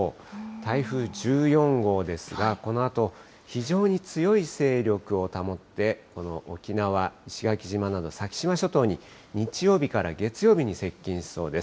台風１４号ですが、このあと非常に強い勢力を保って、この沖縄、石垣島など、先島諸島に日曜日から月曜日に接近しそうです。